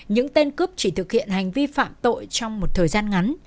những tên cướp chỉ thực hiện hành vi phạm tội trong một thời gian ngắn